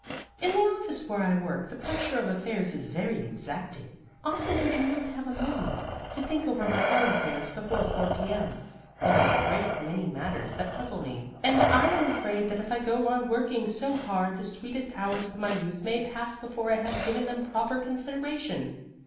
In the office where I work the pressure of affairs is very exacting. Often I do not have a moment to think over my own affairs before 4 p.m. There are a great many matters that puzzle me, and I am afraid that if I go on working so hard the sweetest hours of my youth may pass before I have given them proper consideration.